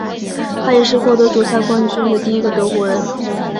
他也是获得主赛冠军的第一个德国人。